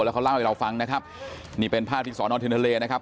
แล้วเขาเล่าให้เราฟังนะครับนี่เป็นภาพที่สอนอเทนทะเลนะครับ